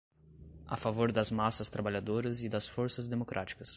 a favor das massas trabalhadoras e das forças democráticas